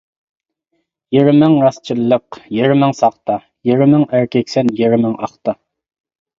يېرىمىڭ راستچىللىق، يېرىمىڭ ساختا، يېرىمىڭ ئەركەكسەن، يېرىمىڭ ئاختا.